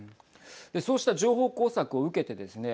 そうした情報工作を受けてですね